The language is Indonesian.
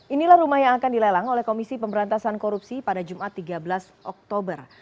inilah rumah yang akan dilelang oleh komisi pemberantasan korupsi pada jumat tiga belas oktober